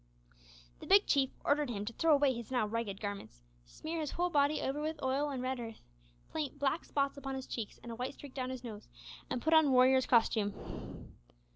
The Big Chief ordered him to throw away his now ragged garments, smear his whole body over with oil and red earth, paint black spots on his cheeks, and a white streak down his nose, and put on warrior's costume.